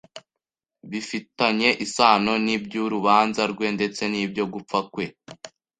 bifitanye isano n'iby'urubanza rwe ndetse nibyo gupfa kwe.